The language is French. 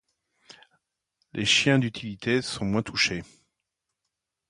Les chiens d'utilité sont moins touchés.